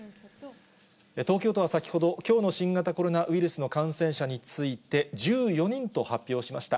東京都は先ほど、きょうの新型コロナウイルスの感染者について、１４人と発表しました。